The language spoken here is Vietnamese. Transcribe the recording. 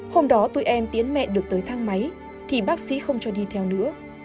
hôm đó tụi em tiến mẹ được tới thang máy thì bác sĩ không cho đi theo nữa